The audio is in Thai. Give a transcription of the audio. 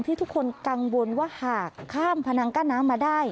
ทุกคนกังวลว่าหากข้ามพนังกั้นน้ำมาได้